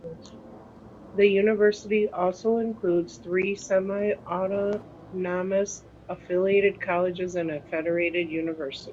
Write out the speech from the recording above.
The university also includes three semi-autonomous affiliated colleges and a federated university.